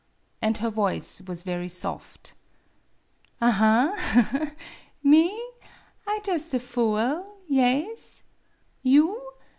And her voice was very soft. "Aha, ha, ha! Me? I jus' a foo el yaes. You?